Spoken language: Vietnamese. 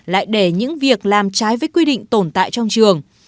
lại để những việc làm trái với quy định tồn tại trong trường